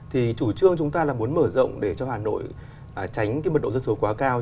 thì chủ trương chúng ta là muốn mở rộng để cho hà nội tránh cái mật độ dân số quá cao